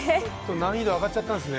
難易度上がっちゃったんですね。